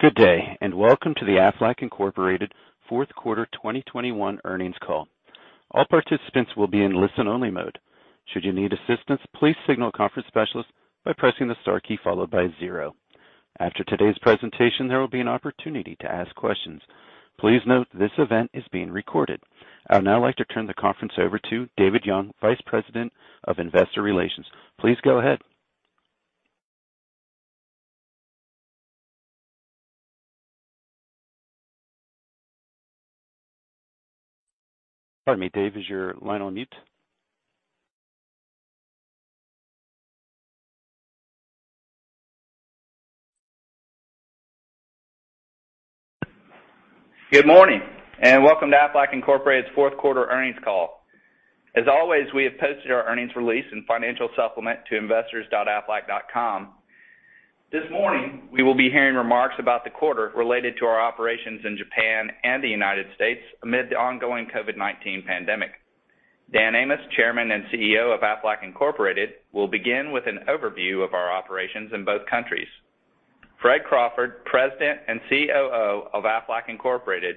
Good day, and welcome to the Aflac Incorporated Q4 2021 earnings call. All participants will be in listen-only mode. Should you need assistance, please signal a conference specialist by pressing the star key followed by zero. After today's presentation, there will be an opportunity to ask questions. Please note this event is being recorded. I would now like to turn the conference over to David Young, Vice President of Investor Relations. Please go ahead. Pardon me, Dave, is your line on mute? Good morning, and welcome to Aflac Incorporated's Q4 earnings call. As always, we have posted our earnings release and financial supplement to investors.aflac.com. This morning, we will be hearing remarks about the quarter related to our operations in Japan and the United States amid the ongoing COVID-19 pandemic. Dan Amos, Chairman and CEO of Aflac Incorporated, will begin with an overview of our operations in both countries. Fred Crawford, President and COO of Aflac Incorporated,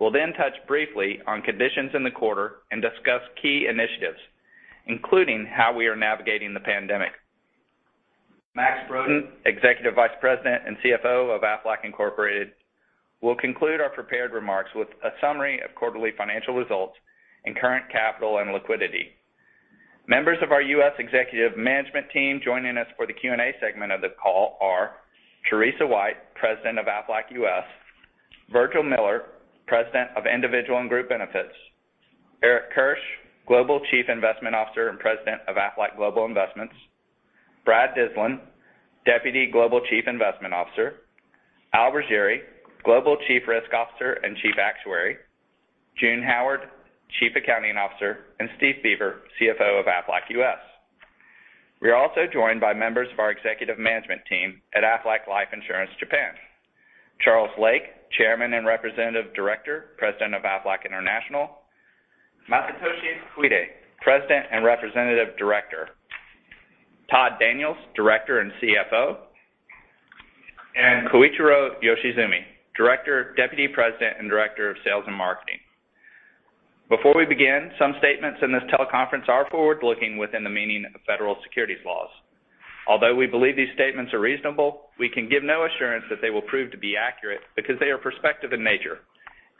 will then touch briefly on conditions in the quarter and discuss key initiatives, including how we are navigating the pandemic. Max Brodén, Executive Vice President and CFO of Aflac Incorporated, will conclude our prepared remarks with a summary of quarterly financial results and current capital and liquidity. Members of our U.S. executive management team joining us for the Q&A segment of the call are Teresa White, President of Aflac U.S., Virgil Miller, President of Individual and Group Benefits, Eric Kirsch, Global Chief Investment Officer and President of Aflac Global Investments, Brad Dyslin, Deputy Global Chief Investment Officer, Al Ruggeri, Global Chief Risk Officer and Chief Actuary, June Howard, Chief Accounting Officer, and Steve Beaver, CFO of Aflac U.S. We are also joined by members of our executive management team at Aflac Life Insurance Japan. Charles Lake, Chairman and Representative Director, President of Aflac International, Masatoshi Koide, President and Representative Director, Todd Daniels, Director and CFO, and Koichiro Yoshizumi, Director, Deputy President, and Director of Sales and Marketing. Before we begin, some statements in this teleconference are forward-looking within the meaning of federal securities laws. Although we believe these statements are reasonable, we can give no assurance that they will prove to be accurate because they are prospective in nature.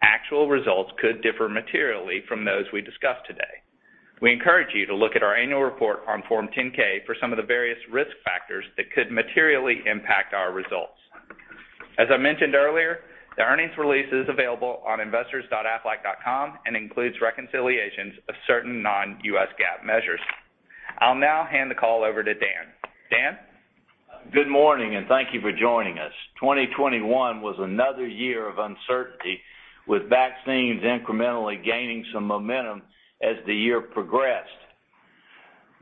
Actual results could differ materially from those we discuss today. We encourage you to look at our annual report on Form 10-K for some of the various risk factors that could materially impact our results. As I mentioned earlier, the earnings release is available on investors.aflac.com and includes reconciliations of certain non-U.S. GAAP measures. I'll now hand the call over to Dan. Dan? Good morning, and thank you for joining us. 2021 was another year of uncertainty, with vaccines incrementally gaining some momentum as the year progressed.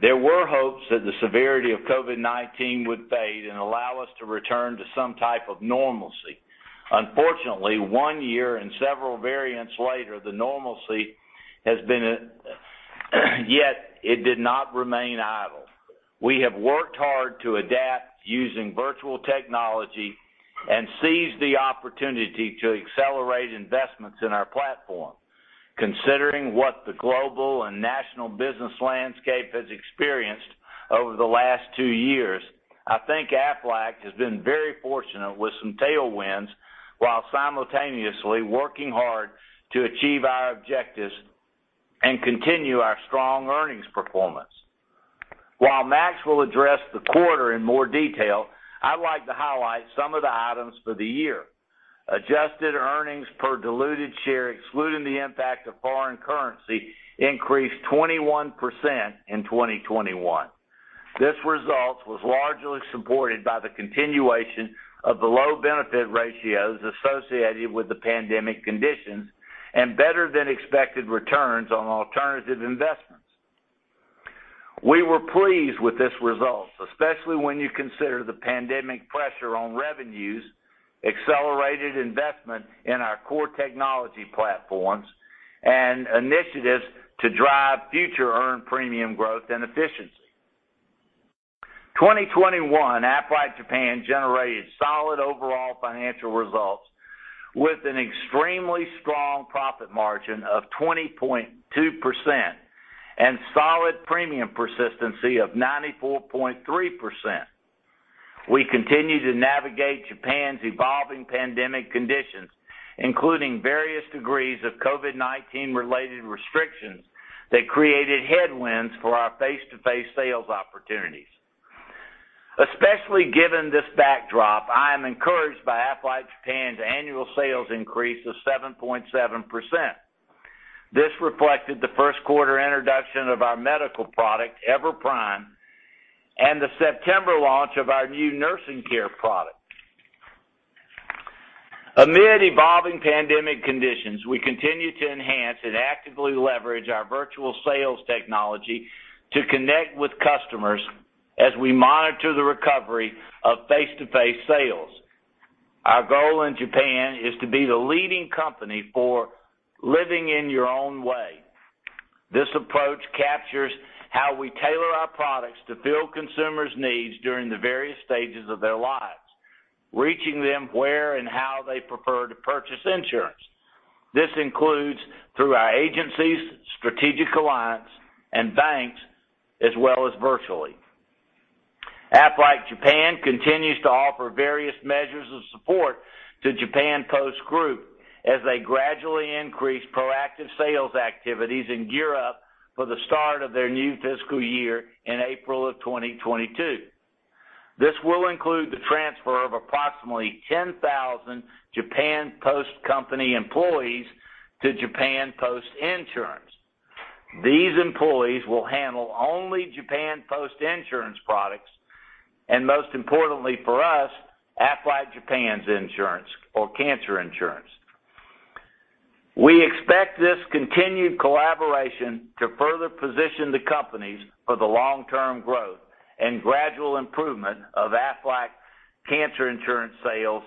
There were hopes that the severity of COVID-19 would fade and allow us to return to some type of normalcy. Unfortunately, one year and several variants later, the normalcy has yet to return, yet we did not remain idle. We have worked hard to adapt using virtual technology and seize the opportunity to accelerate investments in our platform. Considering what the global and national business landscape has experienced over the last two years, I think Aflac has been very fortunate with some tailwinds while simultaneously working hard to achieve our objectives and continue our strong earnings performance. While Max will address the quarter in more detail, I'd like to highlight some of the items for the year. Adjusted earnings per diluted share, excluding the impact of foreign currency, increased 21% in 2021. This result was largely supported by the continuation of the low benefit ratios associated with the pandemic conditions and better than expected returns on alternative investments. We were pleased with this result, especially when you consider the pandemic pressure on revenues, accelerated investment in our core technology platforms, and initiatives to drive future earned premium growth and efficiency. 2021, Aflac Japan generated solid overall financial results with an extremely strong profit margin of 20.2% and solid premium persistency of 94.3%. We continue to navigate Japan's evolving pandemic conditions, including various degrees of COVID-19 related restrictions that created headwinds for our face-to-face sales opportunities. Especially given this backdrop, I am encouraged by Aflac Japan's annual sales increase of 7.7%. This reflected the Q1 introduction of our medical product, EVER Prime, and the September launch of our new nursing care product. Amid evolving pandemic conditions, we continue to enhance and actively leverage our virtual sales technology to connect with customers as we monitor the recovery of face-to-face sales. Our goal in Japan is to be the leading company for living in your own way. This approach captures how we tailor our products to fill consumers' needs during the various stages of their lives, reaching them where and how they prefer to purchase insurance. This includes through our agencies, strategic alliance, and banks, as well as virtually. Aflac Japan continues to offer various measures of support to Japan Post Group as they gradually increase proactive sales activities and gear up for the start of their new fiscal year in April of 2022. This will include the transfer of approximately 10,000 Japan Post Co., Ltd. employees to Japan Post Insurance Co., Ltd. These employees will handle only Japan Post Insurance Co., Ltd. products, and most importantly for us, Aflac Japan's insurance or cancer insurance. We expect this continued collaboration to further position the companies for the long-term growth and gradual improvement of Aflac cancer insurance sales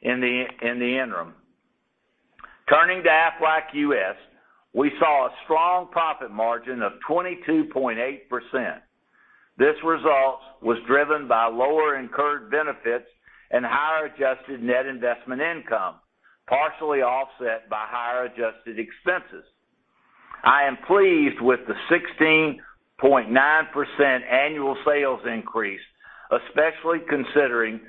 in the interim. Turning to Aflac U.S., we saw a strong profit margin of 22.8%. This result was driven by lower incurred benefits and higher adjusted net investment income, partially offset by higher adjusted expenses. I am pleased with the 16.9% annual sales increase, especially considering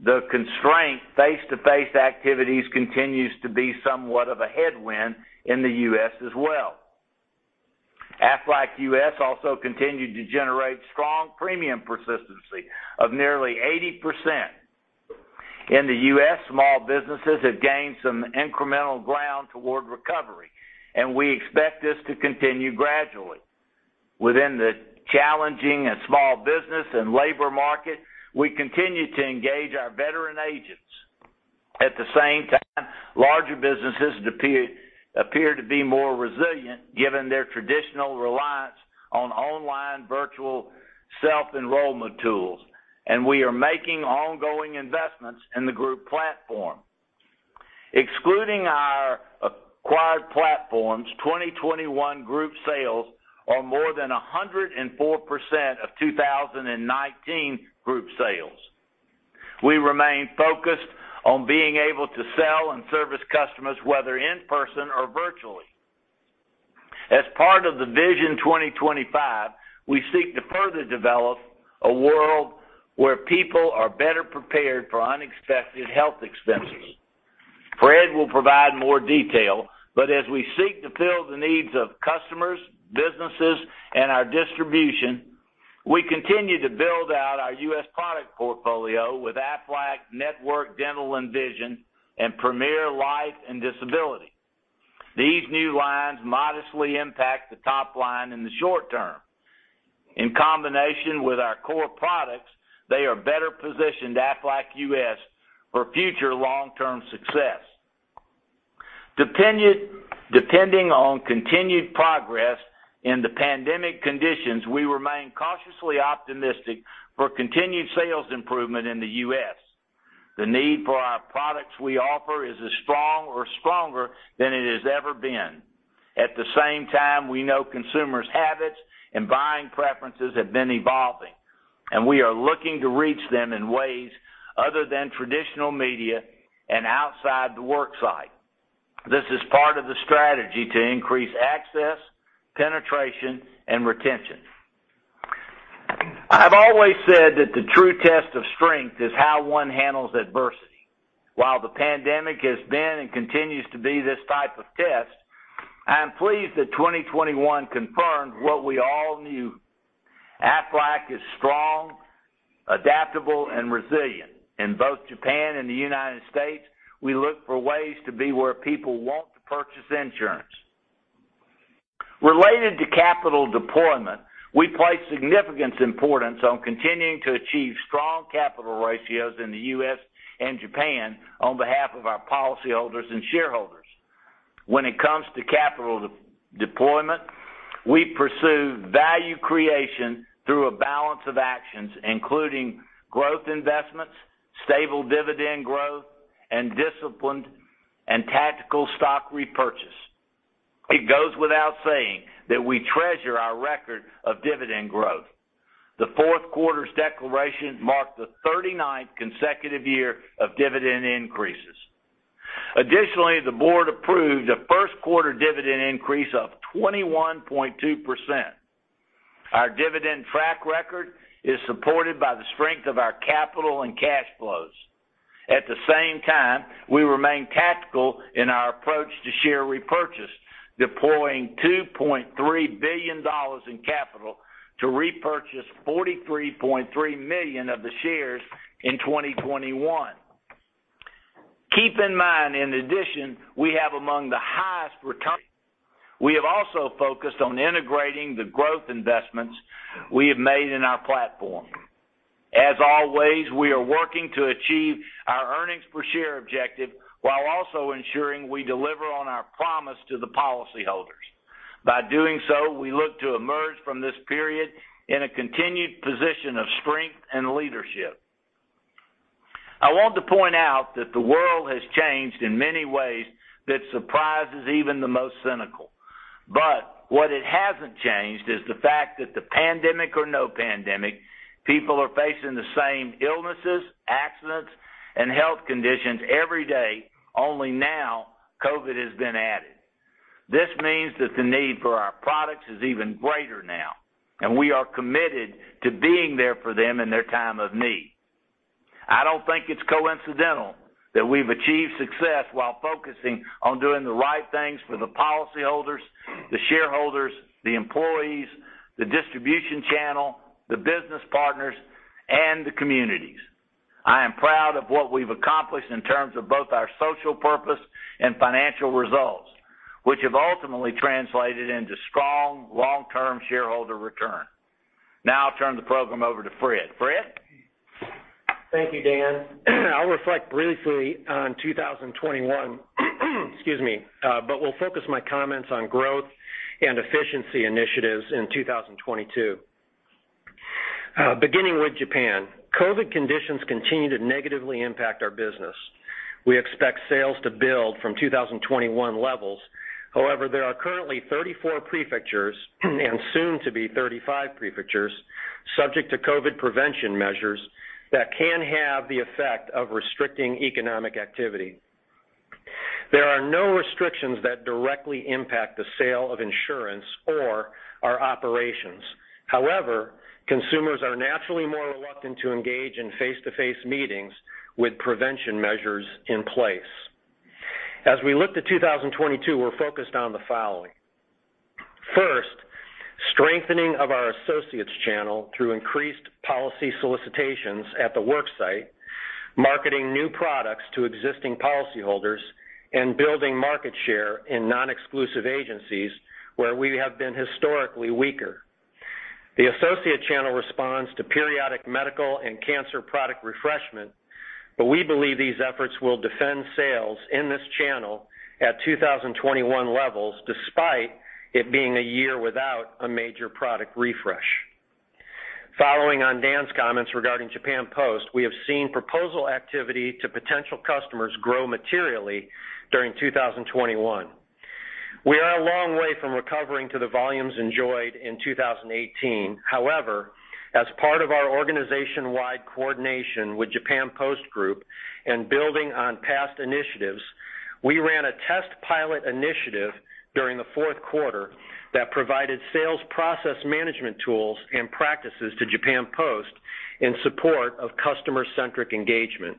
the constraint, face-to-face activities continues to be somewhat of a headwind in the U.S. as well. Aflac U.S. also continued to generate strong premium persistency of nearly 80%. In the U.S., small businesses have gained some incremental ground toward recovery, and we expect this to continue gradually. Within the challenging small business and labor market, we continue to engage our veteran agents. At the same time, larger businesses appear to be more resilient given their traditional reliance on online virtual self-enrollment tools, and we are making ongoing investments in the group platform. Excluding our acquired platforms, 2021 group sales are more than 104% of 2019 group sales. We remain focused on being able to sell and service customers, whether in person or virtually. As part of the Vision 2025, we seek to further develop a world where people are better prepared for unexpected health expenses. Fred will provide more detail, but as we seek to fill the needs of customers, businesses, and our distribution, we continue to build out our U.S. product portfolio with Aflac Network Dental and Vision, and Premier Life and Disability. These new lines modestly impact the top line in the short term. In combination with our core products, they are better positioned Aflac U.S. for future long-term success. Depending on continued progress in the pandemic conditions, we remain cautiously optimistic for continued sales improvement in the U.S. The need for our products we offer is as strong or stronger than it has ever been. At the same time, we know consumers' habits and buying preferences have been evolving, and we are looking to reach them in ways other than traditional media and outside the work site. This is part of the strategy to increase access, penetration, and retention. I've always said that the true test of strength is how one handles adversity. While the pandemic has been and continues to be this type of test, I am pleased that 2021 confirmed what we all knew. Aflac is strong, adaptable, and resilient. In both Japan and the United States, we look for ways to be where people want to purchase insurance. Related to capital deployment, we place significant importance on continuing to achieve strong capital ratios in the U.S. and Japan on behalf of our policyholders and shareholders. When it comes to capital de-deployment, we pursue value creation through a balance of actions, including growth investments, stable dividend growth, and disciplined and tactical stock repurchase. It goes without saying that we treasure our record of dividend growth. The Q4's declaration marked the 39th consecutive year of dividend increases. Additionally, the board approved a Q1 dividend increase of 21.2%. Our dividend track record is supported by the strength of our capital and cash flows. At the same time, we remain tactical in our approach to share repurchase, deploying $2.3 billion in capital to repurchase 43.3 million of the shares in 2021. Keep in mind, in addition, we have among the highest return. We have also focused on integrating the growth investments we have made in our platform. As always, we are working to achieve our earnings per share objective while also ensuring we deliver on our promise to the policyholders. By doing so, we look to emerge from this period in a continued position of strength and leadership. I want to point out that the world has changed in many ways that surprises even the most cynical. What it hasn't changed is the fact that the pandemic or no pandemic, people are facing the same illnesses, accidents, and health conditions every day, only now COVID has been added. This means that the need for our products is even greater now, and we are committed to being there for them in their time of need. I don't think it's coincidental that we've achieved success while focusing on doing the right things for the policyholders, the shareholders, the employees, the distribution channel, the business partners, and the communities. I am proud of what we've accomplished in terms of both our social purpose and financial results, which have ultimately translated into strong, long-term shareholder return. Now I'll turn the program over to Fred. Fred? Thank you, Dan. I'll reflect briefly on 2021, but will focus my comments on growth and efficiency initiatives in 2022. Beginning with Japan. COVID conditions continue to negatively impact our business. We expect sales to build from 2021 levels. However, there are currently 34 prefectures, and soon to be 35 prefectures, subject to COVID prevention measures that can have the effect of restricting economic activity. There are no restrictions that directly impact the sale of insurance or our operations. However, consumers are naturally more reluctant to engage in face-to-face meetings with prevention measures in place. As we look to 2022, we're focused on the following. First, strengthening of our associates channel through increased policy solicitations at the work site, marketing new products to existing policyholders, and building market share in non-exclusive agencies where we have been historically weaker. The associate channel responds to periodic medical and cancer product refreshment, but we believe these efforts will defend sales in this channel at 2021 levels, despite it being a year without a major product refresh. Following on Dan's comments regarding Japan Post, we have seen proposal activity to potential customers grow materially during 2021. We are a long way from recovering to the volumes enjoyed in 2018. However, as part of our organization-wide coordination with Japan Post Group and building on past initiatives, we ran a test pilot initiative during the Q4 that provided sales process management tools and practices to Japan Post in support of customer-centric engagement.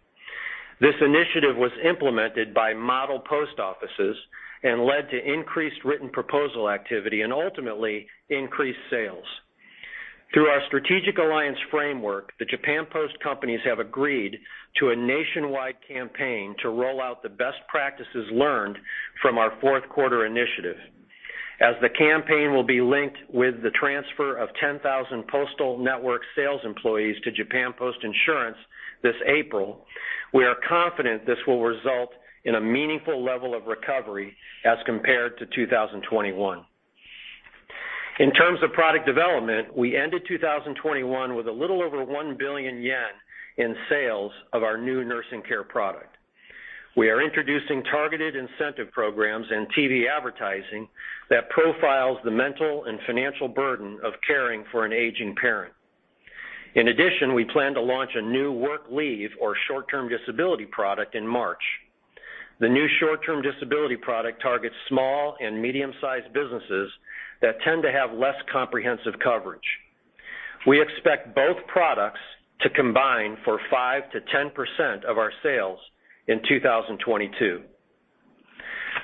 This initiative was implemented by model post offices and led to increased written proposal activity and ultimately increased sales. Through our strategic alliance framework, the Japan Post companies have agreed to a nationwide campaign to roll out the best practices learned from our Q4 initiative. As the campaign will be linked with the transfer of 10,000 postal network sales employees to Japan Post Insurance this April, we are confident this will result in a meaningful level of recovery as compared to 2021. In terms of product development, we ended 2021 with a little over 1 billion yen in sales of our new nursing care product. We are introducing targeted incentive programs and TV advertising that profiles the mental and financial burden of caring for an aging parent. In addition, we plan to launch a new work leave or short-term disability product in March. The new short-term disability product targets small and medium-sized businesses that tend to have less comprehensive coverage. We expect both products to combine for 5%-10% of our sales in 2022.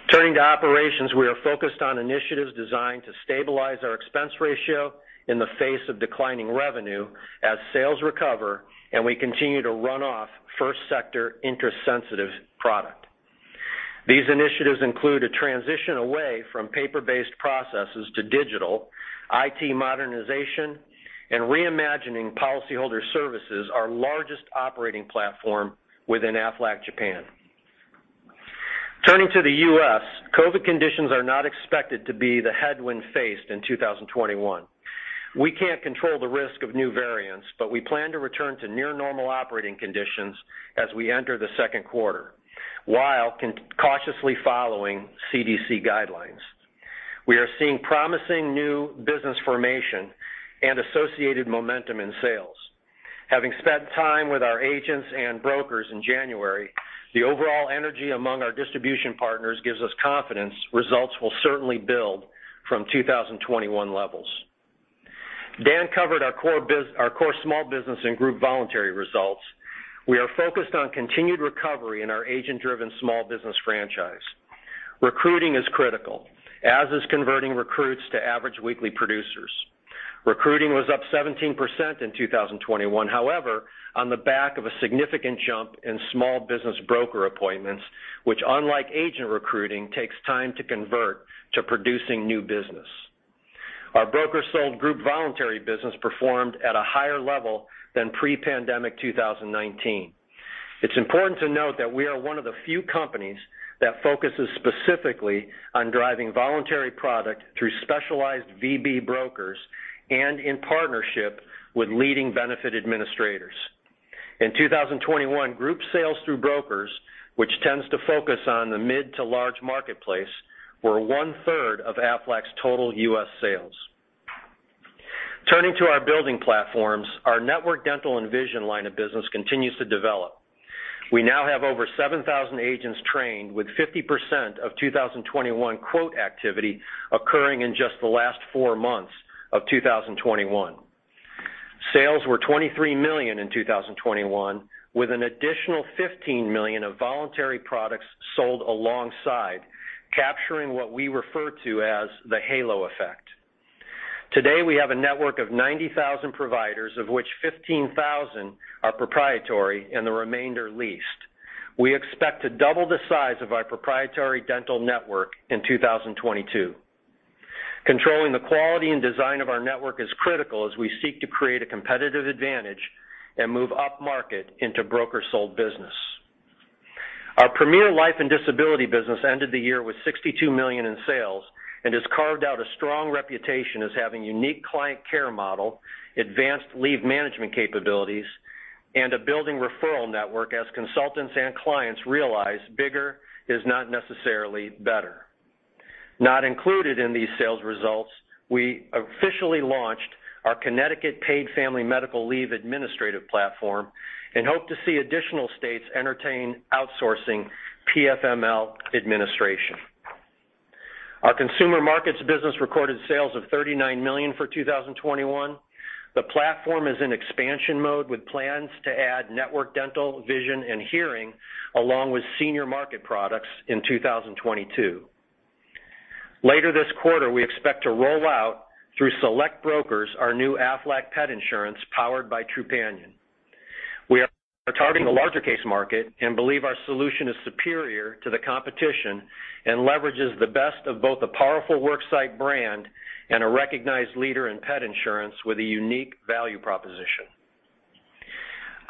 Turning to operations, we are focused on initiatives designed to stabilize our expense ratio in the face of declining revenue as sales recover and we continue to run off first sector interest-sensitive product. These initiatives include a transition away from paper-based processes to digital, IT modernization, and reimagining policyholder services, our largest operating platform within Aflac Japan. Turning to the U.S., COVID conditions are not expected to be the headwind faced in 2021. We can't control the risk of new variants, but we plan to return to near normal operating conditions as we enter the second quarter, while cautiously following CDC guidelines. We are seeing promising new business formation and associated momentum in sales. Having spent time with our agents and brokers in January, the overall energy among our distribution partners gives us confidence results will certainly build from 2021 levels. Dan covered our core small business and group voluntary results. We are focused on continued recovery in our agent-driven small business franchise. Recruiting is critical, as is converting recruits to average weekly producers. Recruiting was up 17% in 2021. However, on the back of a significant jump in small business broker appointments, which unlike agent recruiting, takes time to convert to producing new business. Our broker-sold group voluntary business performed at a higher level than pre-pandemic 2019. It's important to note that we are one of the few companies that focuses specifically on driving voluntary product through specialized VB brokers and in partnership with leading benefit administrators. In 2021, group sales through brokers, which tends to focus on the mid to large marketplace, were 1/3 of Aflac's total U.S. sales. Turning to our building platforms, our Aflac Network Dental and Vision line of business continues to develop. We now have over 7,000 agents trained with 50% of 2021 quote activity occurring in just the last four months of 2021. Sales were $23 million in 2021, with an additional $15 million of voluntary products sold alongside, capturing what we refer to as the halo effect. Today, we have a network of 90,000 providers of which 15,000 are proprietary and the remainder leased. We expect to double the size of our proprietary dental network in 2022. Controlling the quality and design of our network is critical as we seek to create a competitive advantage and move upmarket into broker sold business. Our Premier Life and Disability business ended the year with $62 million in sales and has carved out a strong reputation as having unique client care model, advanced leave management capabilities, and a building referral network as consultants and clients realize bigger is not necessarily better. Not included in these sales results, we officially launched our Connecticut Paid Family Medical Leave Administrative Platform and hope to see additional states entertain outsourcing PFML administration. Our consumer markets business recorded sales of $39 million for 2021. The platform is in expansion mode with plans to add Network Dental, Vision, and hearing along with senior market products in 2022. Later this quarter, we expect to roll out through select brokers our new Aflac Pet Insurance powered by Trupanion. We are targeting the larger case market and believe our solution is superior to the competition and leverages the best of both a powerful worksite brand and a recognized leader in pet insurance with a unique value proposition.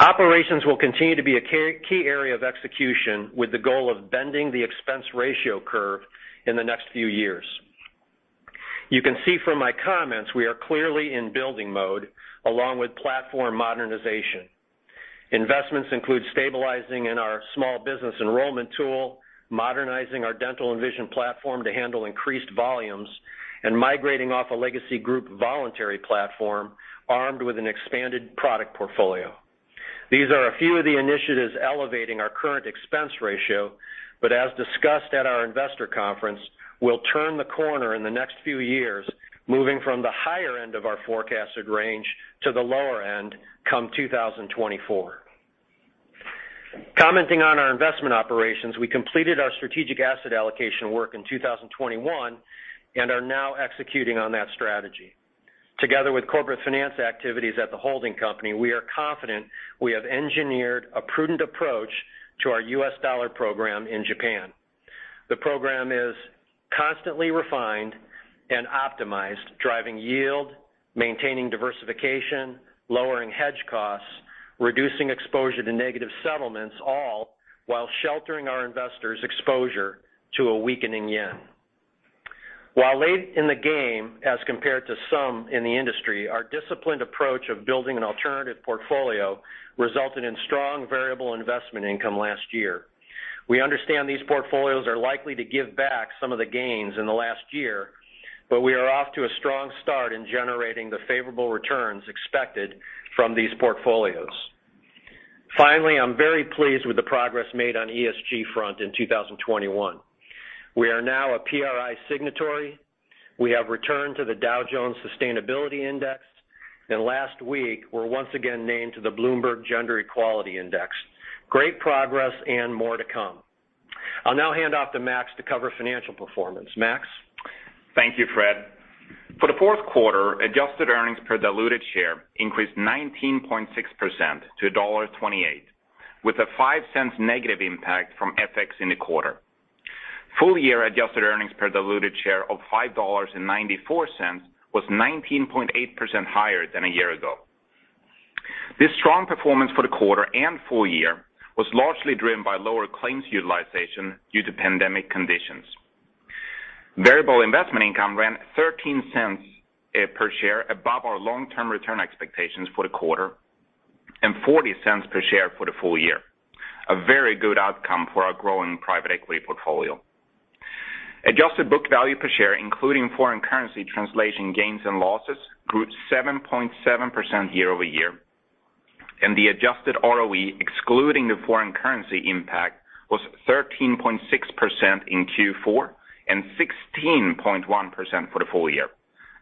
Operations will continue to be a key area of execution with the goal of bending the expense ratio curve in the next few years. You can see from my comments, we are clearly in building mode along with platform modernization. Investments include stabilizing in our small business enrollment tool, modernizing our dental and vision platform to handle increased volumes, and migrating off a legacy group voluntary platform armed with an expanded product portfolio. These are a few of the initiatives elevating our current expense ratio, but as discussed at our investor conference, we'll turn the corner in the next few years, moving from the higher end of our forecasted range to the lower end come 2024. Commenting on our investment operations, we completed our strategic asset allocation work in 2021 and are now executing on that strategy. Together with corporate finance activities at the holding company, we are confident we have engineered a prudent approach to our U.S. dollar program in Japan. The program is constantly refined and optimized, driving yield, maintaining diversification, lowering hedge costs, reducing exposure to negative settlements, all while sheltering our investors' exposure to a weakening yen. While late in the game, as compared to some in the industry, our disciplined approach of building an alternative portfolio resulted in strong variable investment income last year. We understand these portfolios are likely to give back some of the gains in the last year, but we are off to a strong start in generating the favorable returns expected from these portfolios. Finally, I'm very pleased with the progress made on ESG front in 2021. We are now a PRI signatory. We have returned to the Dow Jones Sustainability Index, and last week, we're once again named to the Bloomberg Gender-Equality Index. Great progress and more to come. I'll now hand off to Max to cover financial performance. Max. Thank you, Fred. For the Q4, adjusted earnings per diluted share increased 19.6% to $1.28, with a $0.5 negative Impact from FX in the quarter. Full year adjusted earnings per diluted share of $5.94 was 19.8% higher than a year ago. This strong performance for the quarter and full year was largely driven by lower claims utilization due to pandemic conditions. Variable investment income ran $0.13 per share above our long-term return expectations for the quarter and $0.40 per share for the full year, a very good outcome for our growing private equity portfolio. Adjusted book value per share, including foreign currency translation gains and losses, grew 7.7% year-over-year, and the adjusted ROE, excluding the foreign currency impact, was 13.6% in Q4 and 16.1% for the full year,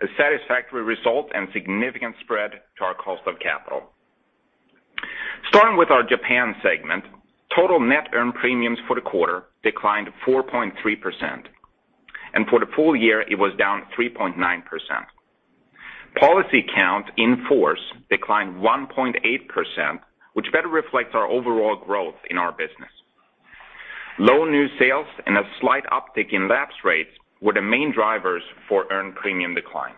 a satisfactory result and significant spread to our cost of capital. Starting with our Japan segment, total net earned premiums for the quarter declined 4.3%, and for the full year, it was down 3.9%. Policy count in force declined 1.8%, which better reflects our overall growth in our business. Low new sales and a slight uptick in lapse rates were the main drivers for earned premium decline.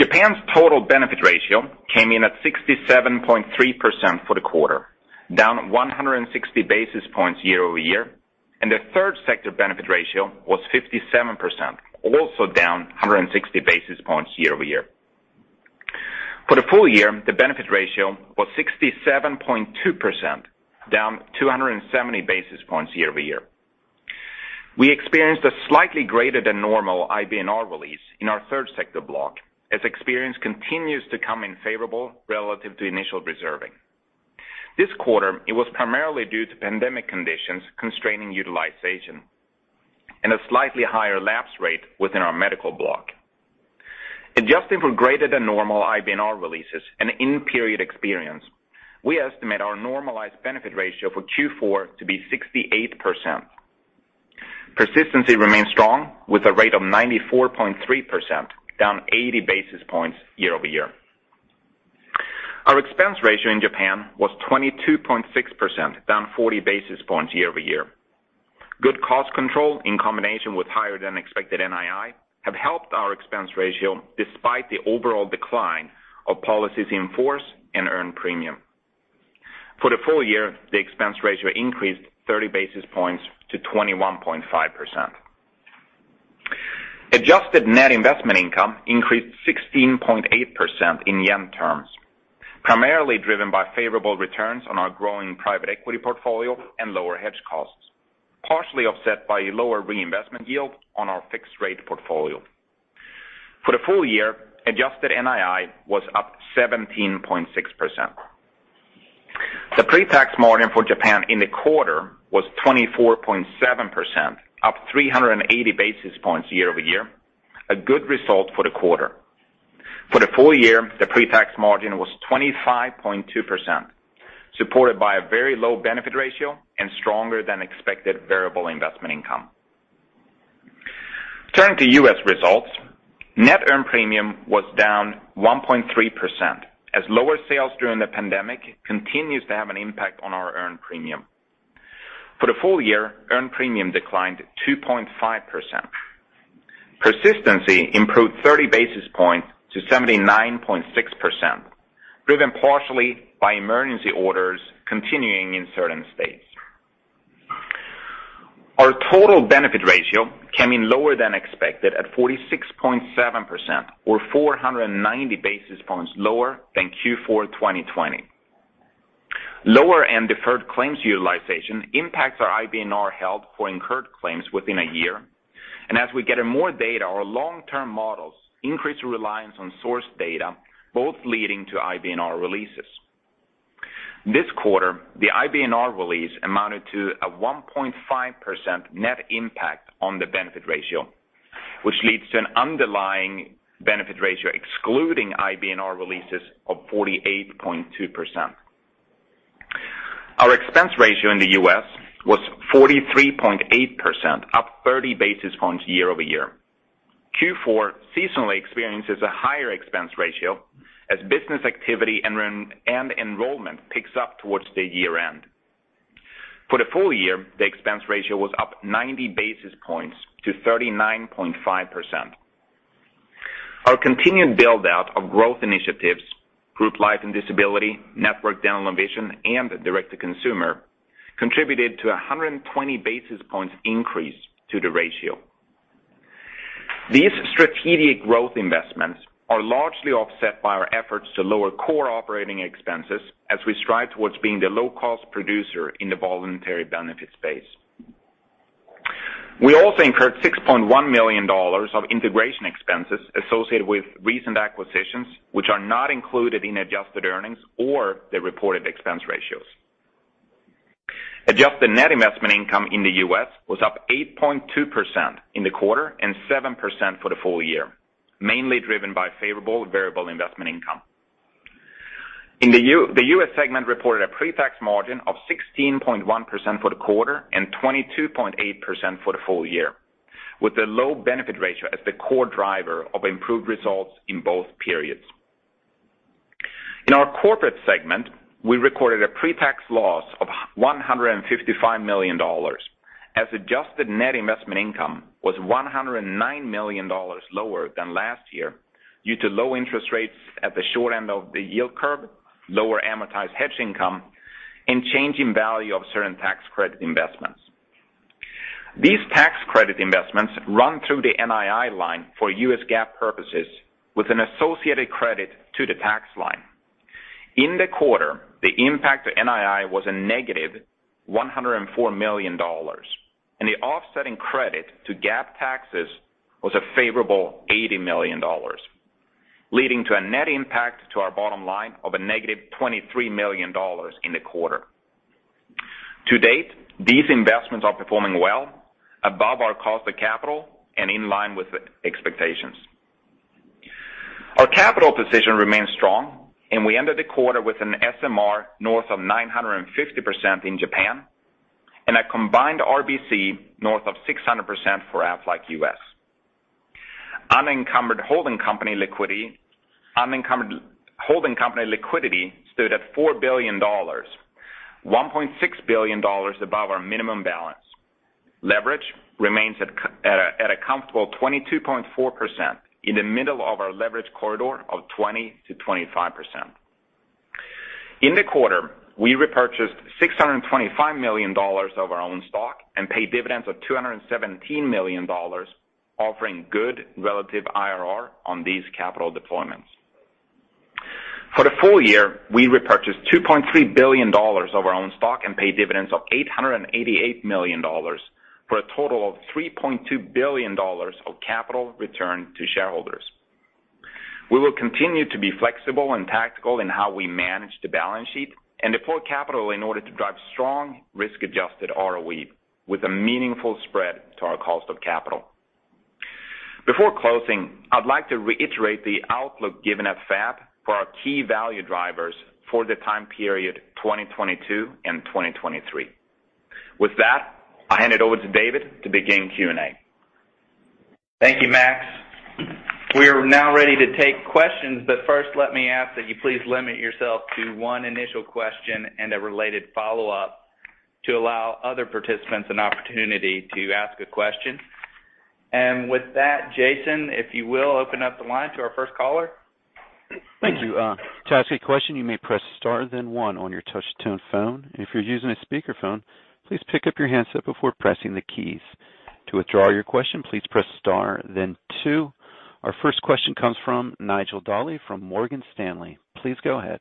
Japan's total benefit ratio came in at 67.3% for the quarter, down 160 basis points year-over-year. The third sector benefit ratio was 57%, also down 160 basis points year-over-year. For the full year, the benefit ratio was 67.2%, down 270 basis points year-over-year. We experienced a slightly greater than normal IBNR release in our third sector block as experience continues to come in favorable relative to initial reserving. This quarter, it was primarily due to pandemic conditions constraining utilization and a slightly higher lapse rate within our medical block. Adjusting for greater than normal IBNR releases and in-period experience, we estimate our normalized benefit ratio for Q4 to be 68%. Persistency remains strong with a rate of 94.3%, down 80 basis points year-over-year. Our expense ratio in Japan was 22.6%, down 40 basis points year-over-year. Good cost control in combination with higher than expected NII have helped our expense ratio despite the overall decline of policies in force and earned premium. For the full year, the expense ratio increased 30 basis points to 21.5%. Adjusted net investment income increased 16.8% in yen terms, primarily driven by favorable returns on our growing private equity portfolio and lower hedge costs, partially offset by lower reinvestment yield on our fixed rate portfolio. For the full year, adjusted NII was up 17.6%. The pre-tax margin for Japan in the quarter was 24.7%, up 380 basis points year-over-year, a good result for the quarter. For the full year, the pre-tax margin was 25.2%, supported by a very low benefit ratio and stronger than expected variable investment income. Turning to U.S. results, net earned premium was down 1.3%, as lower sales during the pandemic continues to have an impact on our earned premium. For the full year, earned premium declined 2.5%. Persistency improved 30 basis points to 79.6%, driven partially by emergency orders continuing in certain states. Our total benefit ratio came in lower than expected at 46.7% or 490 basis points lower than Q4 2020. Lower and deferred claims utilization impacts our IBNR held for incurred claims within a year. As we get more data, our long-term models increase reliance on source data, both leading to IBNR releases. This quarter, the IBNR release amounted to a 1.5% net impact on the benefit ratio, which leads to an underlying benefit ratio excluding IBNR releases of 48.2%. Our expense ratio in the U.S. was 43.8%, up 30 basis points year-over-year. Q4 seasonally experiences a higher expense ratio as business activity and enrollment picks up towards the year-end. For the full year, the expense ratio was up 90 basis points to 39.5%. Our continued build-out of growth initiatives, group life and disability, Network Dental and Vision, and direct-to-consumer, contributed to a 120 basis points increase to the ratio. These strategic growth investments are largely offset by our efforts to lower core operating expenses as we strive towards being the low-cost producer in the voluntary benefit space. We also incurred $6.1 million of integration expenses associated with recent acquisitions, which are not included in adjusted earnings or the reported expense ratios. Adjusted net investment income in the U.S. was up 8.2% in the quarter and 7% for the full year, mainly driven by favorable variable investment income. The U.S. segment reported a pre-tax margin of 16.1% for the quarter and 22.8% for the full year, with the low benefit ratio as the core driver of improved results in both periods. In our corporate segment, we recorded a pre-tax loss of $155 million as adjusted net investment income was $109 million lower than last year due to low interest rates at the short end of the yield curve, lower amortized hedge income, and change in value of certain tax credit investments. These tax credit investments run through the NII line for U.S. GAAP purposes with an associated credit to the tax line. In the quarter, the impact to NII was a negative $104 million, and the offsetting credit to GAAP taxes was a favorable $80 million, leading to a net impact to our bottom line of a negative $23 million in the quarter. To date, these investments are performing well above our cost of capital and in line with expectations. Our capital position remains strong, and we ended the quarter with an SMR north of 950% in Japan and a combined RBC north of 600% for Aflac US. Unencumbered holding company liquidity stood at $4 billion, $1.6 billion above our minimum balance. Leverage remains at a comfortable 22.4% in the middle of our leverage corridor of 20%-25%. In the quarter, we repurchased $625 million of our own stock and paid dividends of $217 million, offering good relative IRR on these capital deployments. For the full year, we repurchased $2.3 billion of our own stock and paid dividends of $888 million for a total of $3.2 billion of capital returned to shareholders. We will continue to be flexible and tactical in how we manage the balance sheet and deploy capital in order to drive strong risk-adjusted ROE with a meaningful spread to our cost of capital. Before closing, I'd like to reiterate the outlook given at FAB for our key value drivers for the time period 2022 and 2023. With that, I hand it over to David to begin Q&A. Thank you, Max. We are now ready to take questions, but first let me ask that you please limit yourself to one initial question and a related follow-up to allow other participants an opportunity to ask a question. With that, Jason, if you will open up the line to our first caller. Thank you. To ask a question, you may press star then one on your touch tone phone. If you're using a speakerphone, please pick up your handset before pressing the keys. To withdraw your question, please press star then two. Our first question comes from Nigel Dally from Morgan Stanley. Please go ahead.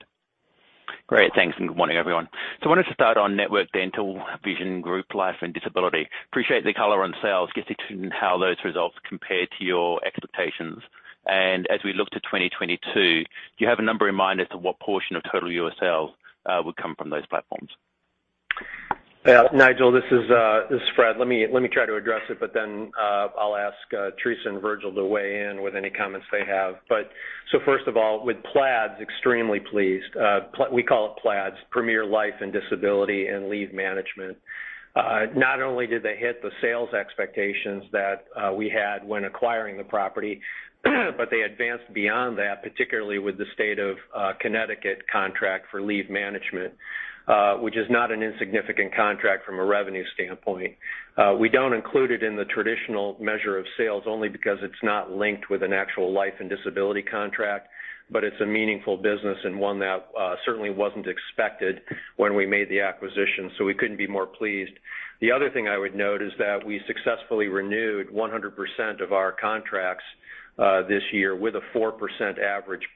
Great. Thanks, and good morning, everyone. I wanted to start on network dental, vision, group life and disability. Appreciate the color on sales, just how those results compare to your expectations. As we look to 2022, do you have a number in mind as to what portion of total U.S. sales would come from those platforms? Yeah, Nigel, this is Fred. Let me try to address it, but then I'll ask Teresa and Virgil to weigh in with any comments they have. First of all, with PLDS, extremely pleased. We call it PLDS, Premier Life, Disability, and Absence Solutions. Not only did they hit the sales expectations that we had when acquiring the property, but they advanced beyond that, particularly with the state of Connecticut contract for leave management, which is not an insignificant contract from a revenue standpoint. We don't include it in the traditional measure of sales only because it's not linked with an actual life and disability contract, but it's a meaningful business and one that certainly wasn't expected when we made the acquisition, so we couldn't be more pleased. The other thing I would note is that we successfully renewed 100% of our contracts this year with a 4% average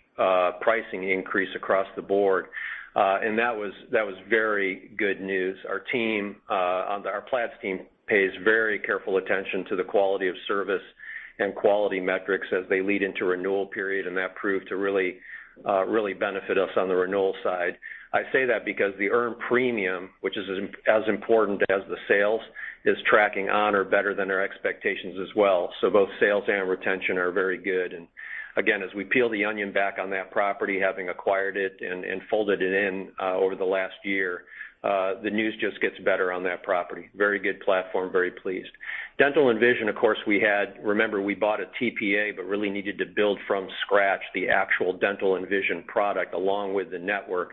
pricing increase across the board. That was very good news. Our team, our PLDS team pays very careful attention to the quality of service and quality metrics as they lead into renewal period, and that proved to really benefit us on the renewal side. I say that because the earned premium, which is as important as the sales, is tracking on or better than our expectations as well. Both sales and retention are very good. Again, as we peel the onion back on that property, having acquired it and folded it in over the last year, the news just gets better on that property. Very good platform, very pleased. Dental and vision, of course, remember, we bought a TPA but really needed to build from scratch the actual dental and vision product along with the network.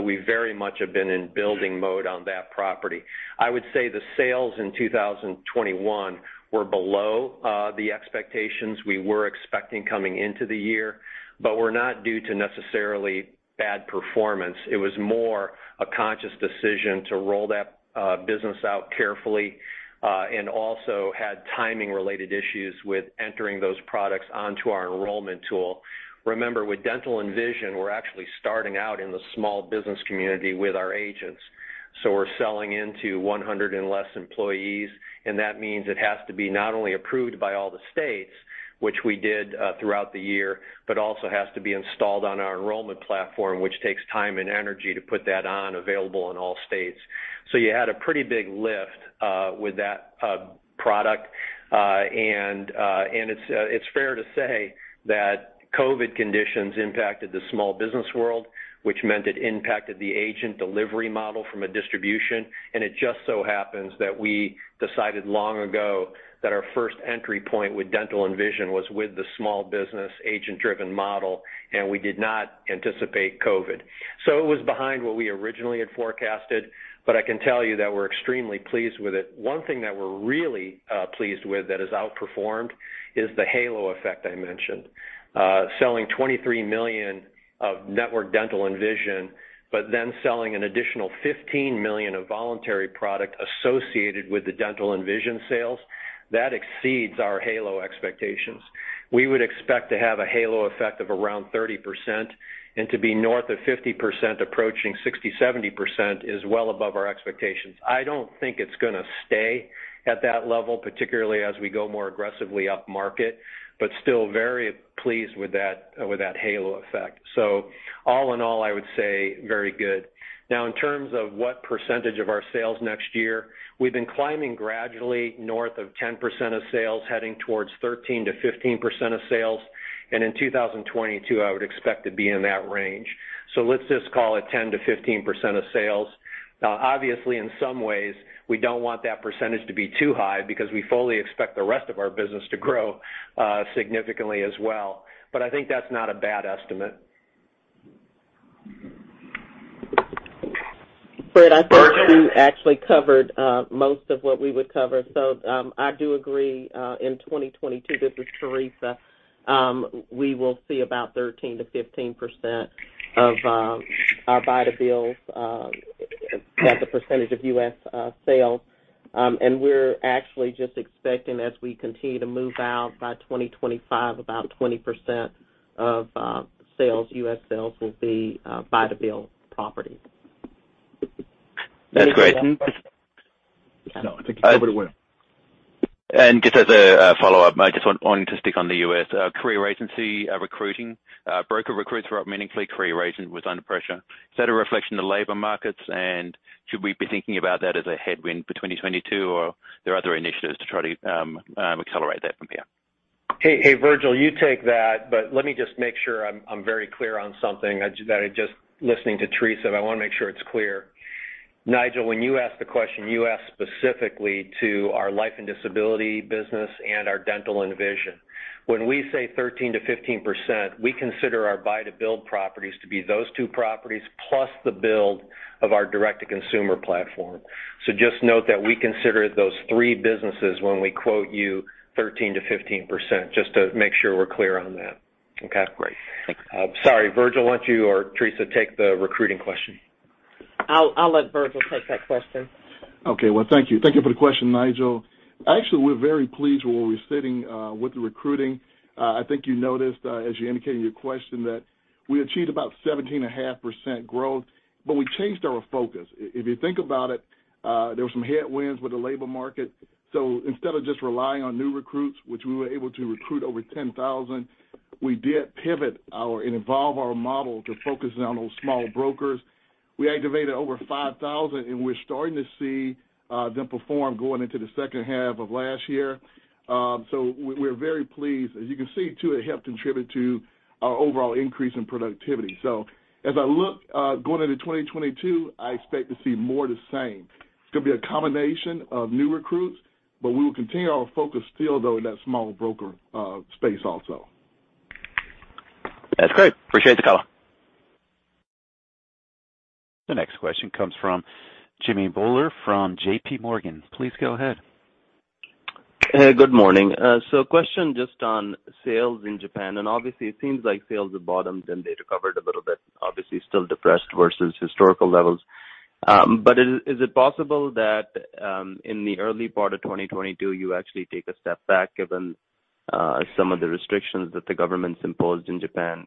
We very much have been in building mode on that property. I would say the sales in 2021 were below the expectations we were expecting coming into the year, but were not due to necessarily bad performance. It was more a conscious decision to roll that business out carefully, and also had timing-related issues with entering those products onto our enrollment tool. Remember, with dental and vision, we're actually starting out in the small business community with our agents. We're selling into 100 and less employees, and that means it has to be not only approved by all the states, which we did throughout the year, but also has to be installed on our enrollment platform, which takes time and energy to put that on available in all states. You had a pretty big lift with that product. And it's fair to say that COVID conditions impacted the small business world, which meant it impacted the agent delivery model from a distribution. It just so happens that we decided long ago that our first entry point with dental and vision was with the small business agent-driven model, and we did not anticipate COVID. It was behind what we originally had forecasted, but I can tell you that we're extremely pleased with it. One thing that we're really pleased with that has outperformed is the halo effect I mentioned. Selling $23 million of Network Dental and Vision, but then selling an additional $15 million of voluntary product associated with the dental and vision sales, that exceeds our halo expectations. We would expect to have a halo effect of around 30% and to be north of 50%, approaching 60%-70% is well above our expectations. I don't think it's gonna stay at that level, particularly as we go more aggressively upmarket, but still very pleased with that, with that halo effect. All in all, I would say very good. Now, in terms of what percentage of our sales next year, we've been climbing gradually north of 10% of sales, heading towards 13%-15% of sales. In 2022, I would expect to be in that range. Let's just call it 10%-15% of sales. Now, obviously, in some ways, we don't want that percentage to be too high because we fully expect the rest of our business to grow, significantly as well. I think that's not a bad estimate. Fred, I think you actually covered most of what we would cover. I do agree, in 2022, this is Teresa, we will see about 13%-15% of our build-to-suit as a percentage of U.S. sales. We're actually just expecting, as we continue to move out, by 2025, about 20% of sales, U.S. sales will be build-to-suit properties. That's great. No, I think it's over to Will. Just as a follow-up, I just wanted to stick on the U.S. Career agency recruiting. Broker recruits were up meaningfully, career agent was under pressure. Is that a reflection of the labor markets, and should we be thinking about that as a headwind for 2022, or there are other initiatives to try to accelerate that from here? Hey, Virgil, you take that, but let me just make sure I'm very clear on something. I was just listening to Teresa, but I wanna make sure it's clear. Nigel, when you asked the question, you asked specifically to our life and disability business and our dental and vision. When we say 13%-15%, we consider our buy to build properties to be those two properties, plus the build of our direct to consumer platform. So just note that we consider those three businesses when we quote you 13%-15%, just to make sure we're clear on that. Okay. Great. Thank you. Sorry, Virgil, why don't you or Teresa take the recruiting question? I'll let Virgil take that question. Okay. Well, thank you for the question, Nigel. Actually, we're very pleased where we're sitting with the recruiting. I think you noticed, as you indicated in your question, that we achieved about 17.5% growth, but we changed our focus. If you think about it, there were some headwinds with the labor market, so instead of just relying on new recruits, which we were able to recruit over 10,000, we did pivot our and evolve our model to focus in on those small brokers. We activated over 5,000, and we're starting to see them perform going into the second half of last year. We're very pleased. As you can see too, it helped contribute to our overall increase in productivity. As I look going into 2022, I expect to see more of the same. It's gonna be a combination of new recruits, but we will continue our focus still though in that small broker space also. That's great. I appreciate the color. The next question comes from Jimmy Bhullar from J.P. Morgan. Please go ahead. Hey, good morning. Question just on sales in Japan, and obviously it seems like sales have bottomed and they recovered a little bit, obviously still depressed versus historical levels. Is it possible that in the early part of 2022, you actually take a step back given some of the restrictions that the government's imposed in Japan,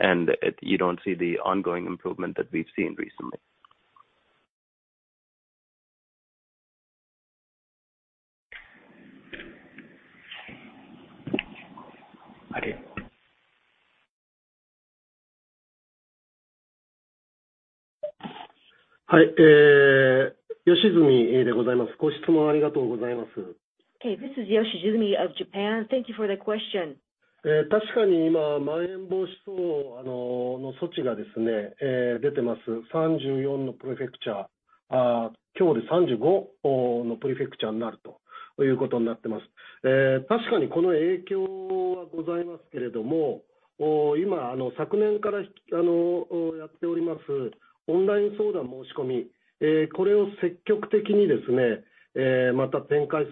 and you don't see the ongoing improvement that we've seen recently? Okay, this is Koichiro Yoshizumi of Japan. Thank you for the question. It is true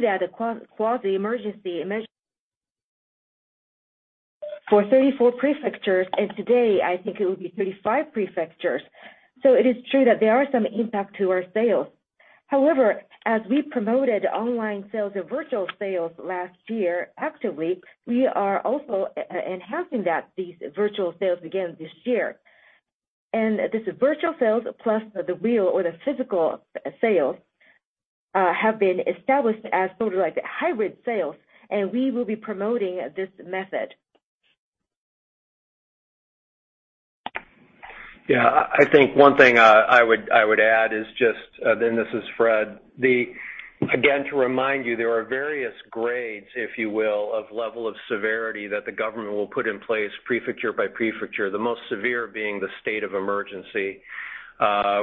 that a quasi-emergency for 34 prefectures, and today I think it would be 35 prefectures. It is true that there are some impact to our sales. However, as we promoted online sales or virtual sales last year actively, we are also enhancing that, these virtual sales again this year. This virtual sales plus the real or the physical sales have been established as sort of like hybrid sales, and we will be promoting this method. Yeah. I think one thing I would add is just, and this is Fred. Again, to remind you, there are various grades, if you will, of level of severity that the government will put in place prefecture by prefecture, the most severe being the state of emergency.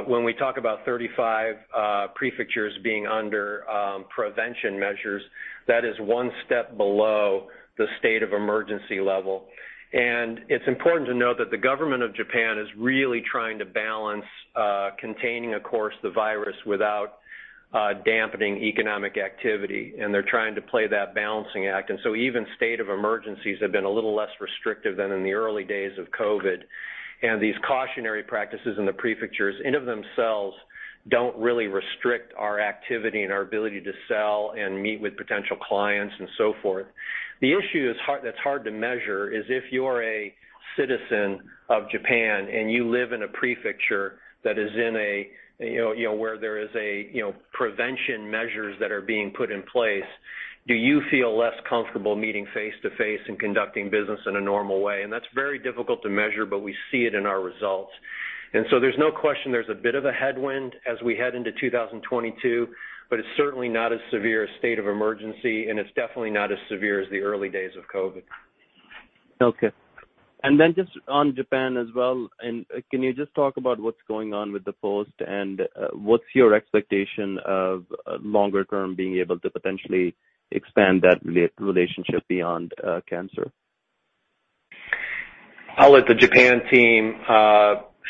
When we talk about 35 prefectures being under prevention measures, that is one step below the state of emergency level. It's important to note that the government of Japan is really trying to balance containing, of course, the virus without dampening economic activity, and they're trying to play that balancing act. Even state of emergencies have been a little less restrictive than in the early days of COVID. These cautionary practices in the prefectures in and of themselves don't really restrict our activity and our ability to sell and meet with potential clients and so forth. The issue is, that's hard to measure, is if you're a citizen of Japan, and you live in a prefecture that is in a, you know, where there is a, you know, preventive measures that are being put in place, do you feel less comfortable meeting face to face and conducting business in a normal way? That's very difficult to measure, but we see it in our results. There's no question there's a bit of a headwind as we head into 2022, but it's certainly not as severe a state of emergency, and it's definitely not as severe as the early days of COVID. Okay. Just on Japan as well, can you just talk about what's going on with Japan Post and what's your expectation of longer term being able to potentially expand that relationship beyond cancer? I'll let the Japan team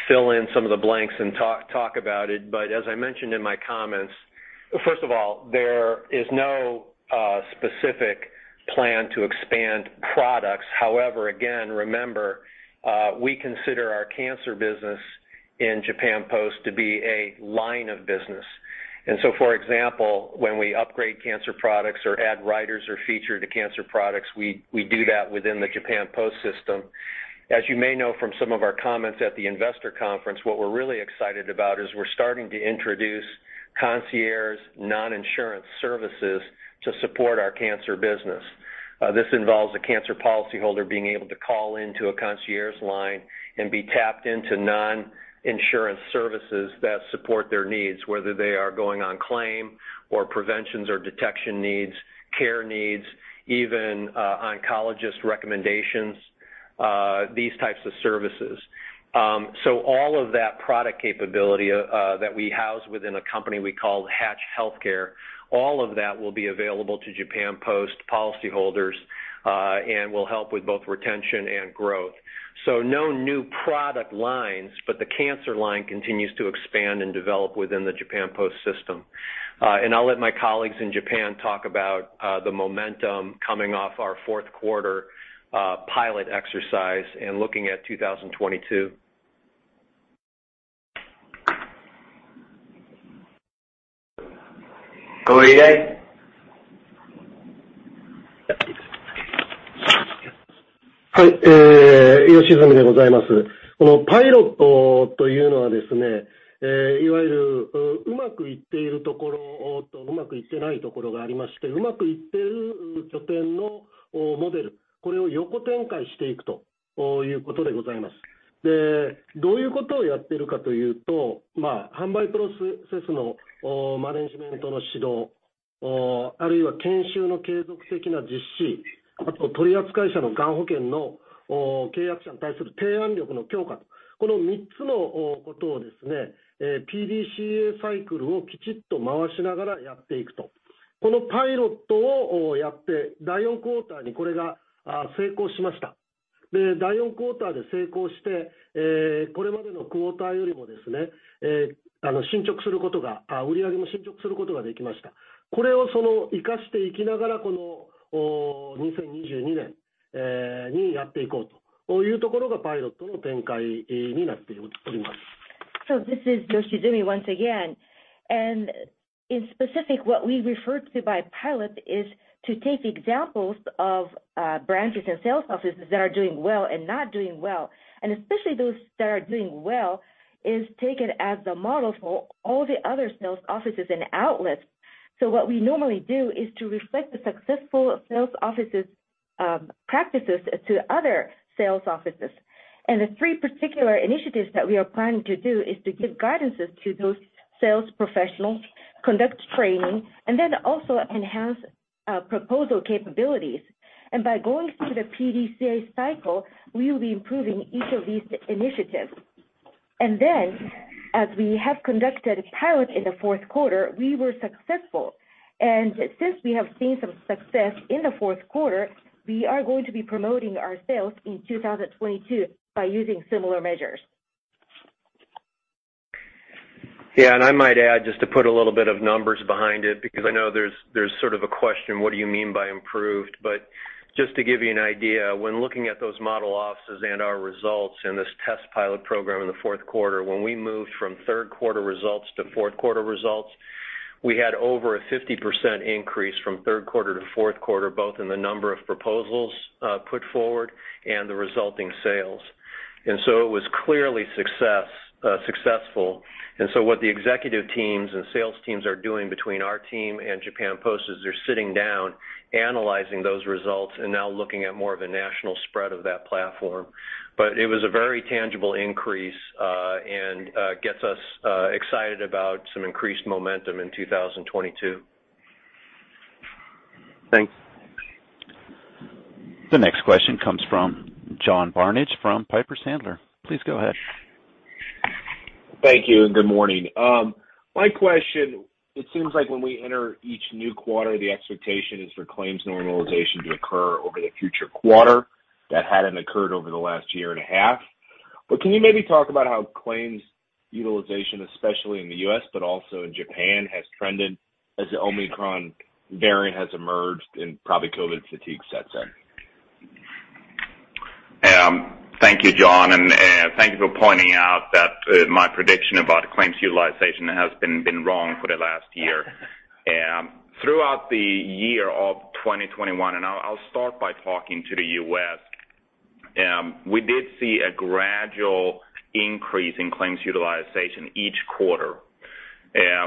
fill in some of the blanks and talk about it. As I mentioned in my comments, first of all, there is no specific plan to expand products. However, again, remember, we consider our cancer business in Japan Post to be a line of business. So for example, when we upgrade cancer products or add riders or features to cancer products, we do that within the Japan Post system. As you may know from some of our comments at the investor conference, what we're really excited about is we're starting to introduce concierge non-insurance services to support our cancer business. This involves a cancer policy holder being able to call into a concierge line and be tapped into non-insurance services that support their needs, whether they are going on claim or preventions or detection needs, care needs, even oncologist recommendations, these types of services. All of that product capability that we house within a company we call Hatch Healthcare, all of that will be available to Japan Post policy holders and will help with both retention and growth. No new product lines, but the cancer line continues to expand and develop within the Japan Post system. I'll let my colleagues in Japan talk about the momentum coming off our Q4 pilot exercise and looking at 2022. This is Koichiro Yoshizumi once again. Specifically, what we referred to as pilot is to take examples of branches and sales offices that are doing well and not doing well, and especially those that are doing well is taken as the model for all the other sales offices and outlets. What we normally do is to reflect the successful sales offices practices to other sales offices. The three particular initiatives that we are planning to do is to give guidances to those sales professionals, conduct training, and then also enhance proposal capabilities. By going through the PDCA cycle, we will be improving each of these initiatives. Then as we have conducted a pilot in the Q4, we were successful. Since we have seen some success in the Q4, we are going to be promoting our sales in 2022 by using similar measures. Yeah. I might add, just to put a little bit of numbers behind it, because I know there's sort of a question, what do you mean by improved? Just to give you an idea, when looking at those model offices and our results in this test pilot program in the Q4, when we moved from Q3 results to Q4 results, we had over a 50% increase from Q3 to Q4, both in the number of proposals put forward and the resulting sales. It was clearly successful. What the executive teams and sales teams are doing between our team and Japan Post is they're sitting down analyzing those results and now looking at more of a national spread of that platform. It was a very tangible increase and gets us excited about some increased momentum in 2022. Thanks. The next question comes from John Barnidge from Piper Sandler. Please go ahead. Thank you and good morning. My question, it seems like when we enter each new quarter, the expectation is for claims normalization to occur over the future quarter that hadn't occurred over the last year and a half. Can you maybe talk about how claims utilization, especially in the U.S., but also in Japan, has trended as the Omicron variant has emerged and probably COVID fatigue sets in? Thank you, John, and thank you for pointing out that my prediction about claims utilization has been wrong for the last year. Throughout the year of 2021, I'll start by talking to the U.S. We did see a gradual increase in claims utilization each quarter.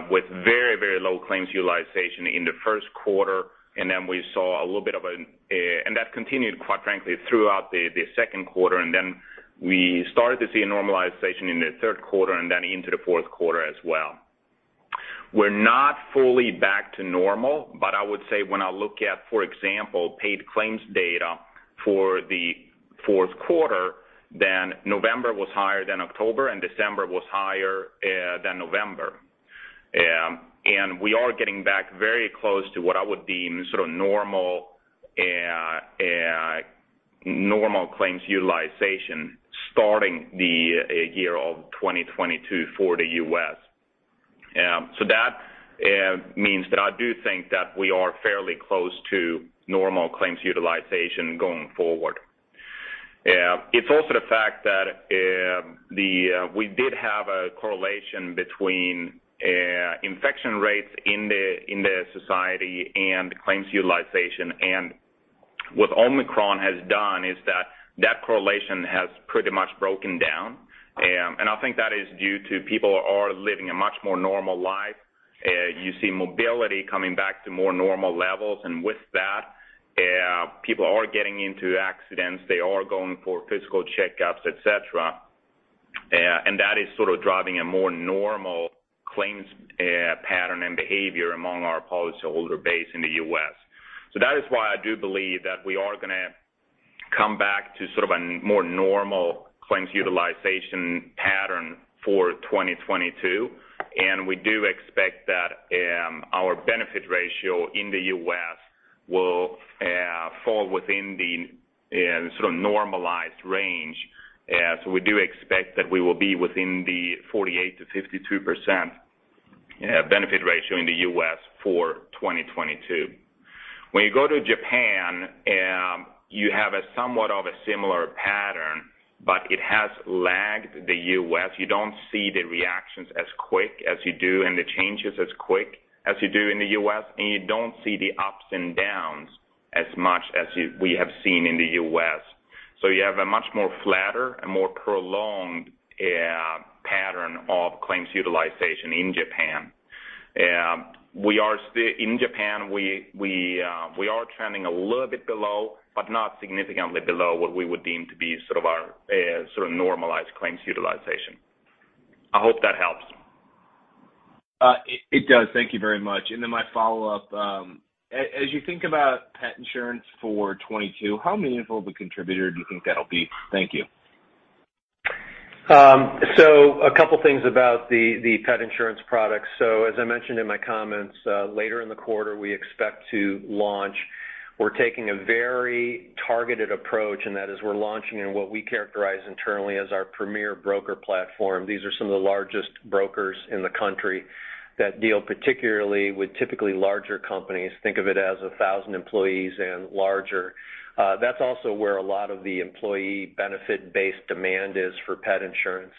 With very, very low claims utilization in the Q1, and then we saw a little bit of an. That continued, quite frankly, throughout the Q2, and then we started to see a normalization in the Q3 and then into the Q4 as well. We're not fully back to normal, but I would say when I look at, for example, paid claims data for the Q4, then November was higher than October, and December was higher than November. And we are getting back very close to what I would deem sort of normal normal claims utilization starting the year of 2022 for the U.S. So that means that I do think that we are fairly close to normal claims utilization going forward. It's also the fact that we did have a correlation between infection rates in the society and claims utilization. What Omicron has done is that correlation has pretty much broken down. I think that is due to people are living a much more normal life. You see mobility coming back to more normal levels, and with that, people are getting into accidents, they are going for physical checkups, et cetera. That is sort of driving a more normal claims pattern and behavior among our policyholder base in the U.S. That is why I do believe that we are gonna come back to sort of a more normal claims utilization pattern for 2022, and we do expect that our benefit ratio in the U.S. will fall within the sort of normalized range. We do expect that we will be within the 48%-52% benefit ratio in the U.S. for 2022. When you go to Japan, you have a somewhat of a similar pattern, but it has lagged the U.S. You don't see the reactions as quick as you do, and the changes as quick as you do in the U.S., and you don't see the ups and downs as much as we have seen in the U.S. You have a much more flatter and more prolonged pattern of claims utilization in Japan. In Japan, we are trending a little bit below, but not significantly below what we would deem to be sort of our sort of normalized claims utilization. I hope that helps. It does. Thank you very much. My follow-up, as you think about pet insurance for 2022, how meaningful of a contributor do you think that'll be? Thank you. A couple things about the pet insurance product. As I mentioned in my comments, later in the quarter, we expect to launch. We're taking a very targeted approach, and that is we're launching in what we characterize internally as our premier broker platform. These are some of the largest brokers in the country that deal particularly with typically larger companies. Think of it as 1,000 employees and larger. That's also where a lot of the employee benefit-based demand is for pet insurance.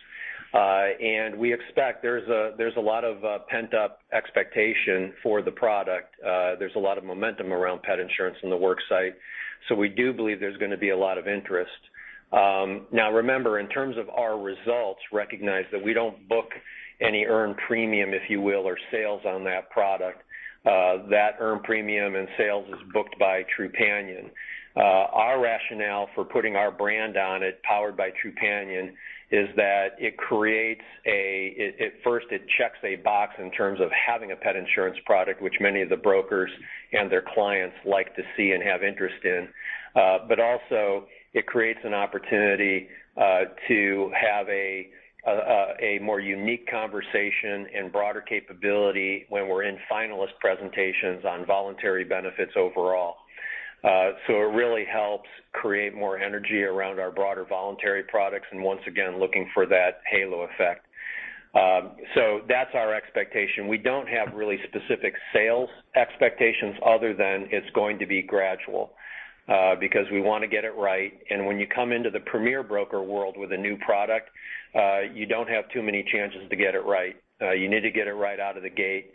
We expect there's a lot of pent-up expectation for the product. There's a lot of momentum around pet insurance in the work site. We do believe there's gonna be a lot of interest. Now remember, in terms of our results, recognize that we don't book any earned premium, if you will, or sales on that product. That earned premium and sales is booked by Trupanion. Our rationale for putting our brand on it, powered by Trupanion, is that it creates. It first checks a box in terms of having a pet insurance product, which many of the brokers and their clients like to see and have interest in. Also it creates an opportunity to have a more unique conversation and broader capability when we're in finalist presentations on voluntary benefits overall. It really helps create more energy around our broader voluntary products, and once again, looking for that halo effect. That's our expectation. We don't have really specific sales expectations other than it's going to be gradual, because we wanna get it right. When you come into the premier broker world with a new product, you don't have too many chances to get it right. You need to get it right out of the gate.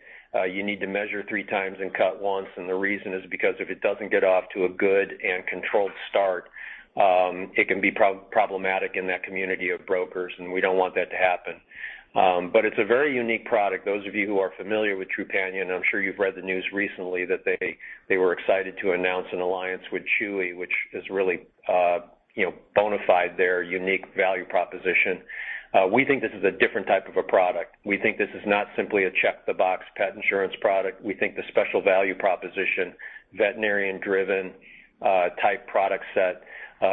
You need to measure three times and cut once, and the reason is because if it doesn't get off to a good and controlled start, it can be problematic in that community of brokers, and we don't want that to happen. But it's a very unique product. Those of you who are familiar with Trupanion, I'm sure you've read the news recently that they were excited to announce an alliance with Chewy, which has really, you know, bona fide their unique value proposition. We think this is a different type of a product. We think this is not simply a check-the-box pet insurance product. We think the special value proposition, veterinarian-driven, type product set,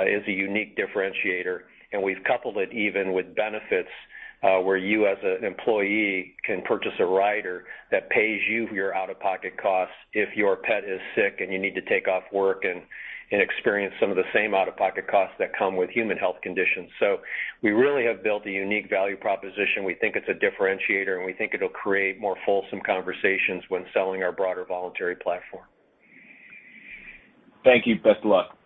is a unique differentiator. We've coupled it even with benefits, where you as an employee can purchase a rider that pays you your out-of-pocket costs if your pet is sick and you need to take off work and experience some of the same out-of-pocket costs that come with human health conditions. We really have built a unique value proposition. We think it's a differentiator, and we think it'll create more fulsome conversations when selling our broader voluntary platform. Thank you. Best of luck.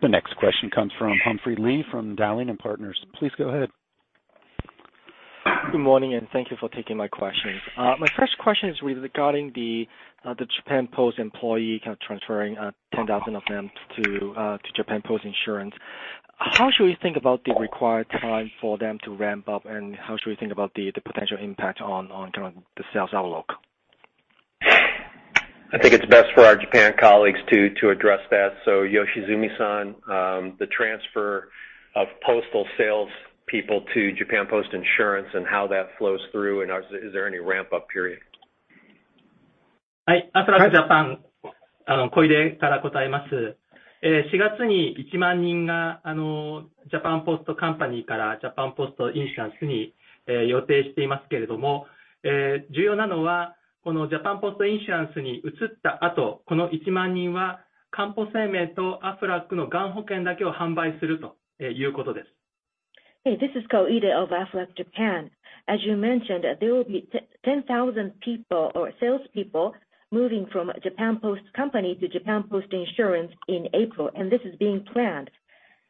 The next question comes from Humphrey Lee from Dowling & Partners. Please go ahead. Good morning, and thank you for taking my questions. My first question is regarding the Japan Post employee kind of transferring 10,000 of them to Japan Post Insurance. How should we think about the required time for them to ramp up, and how should we think about the potential impact on kind of the sales outlook? I think it's best for our Japan colleagues to address that. Yoshizumi-san, the transfer of postal sales people to Japan Post Insurance and how that flows through and is there any ramp-up period? Hey, this is Masatoshi Koide of Aflac Japan. As you mentioned, there will be 10,000 people or salespeople moving from Japan Post Co., Ltd. to Japan Post Insurance Co., Ltd. in April, and this is being planned.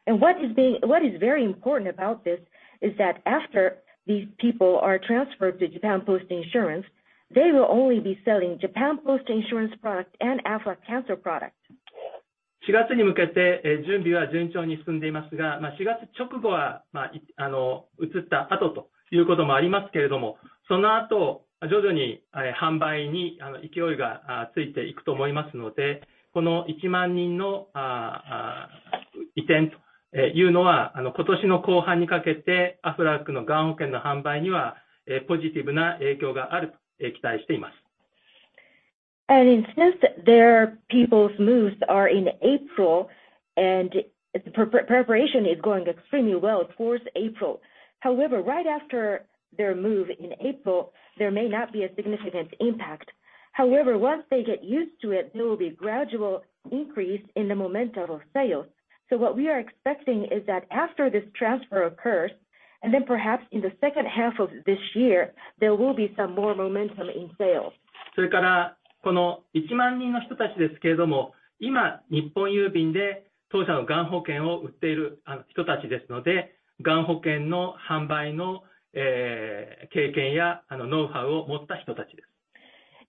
What is very important about this is that after these people are transferred to Japan Post Insurance Co., Ltd., they will only be selling Japan Post Insurance Co., Ltd. product and Aflac cancer product. Since their people's moves are in April and preparation is going extremely well towards April, right after their move in April, there may not be a significant impact. However, once they get used to it, there will be gradual increase in the momentum of sales. What we are expecting is that after this transfer occurs,